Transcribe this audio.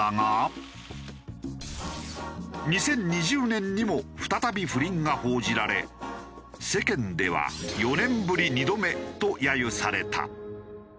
２０２０年にも再び不倫が報じられ世間では「４年ぶり２度目」とやゆされた。